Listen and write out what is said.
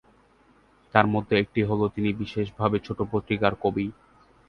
তার মধ্যে একটি হল তিনি বিশেষভাবে ছোট পত্রিকা'-র কবি।